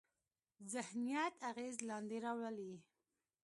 ذهنیت اغېز لاندې راولي.